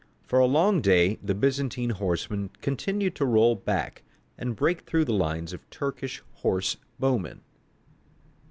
For a long day the Byzantine horsemen continued to roll back and break through the lines of Turkish horse bowmen.